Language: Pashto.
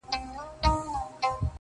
په ګوزار یې د مرغه زړګی خبر کړ!.